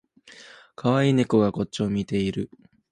かわいい猫がこっちを見ている